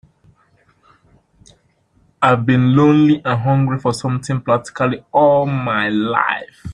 I've been lonely and hungry for something practically all my life.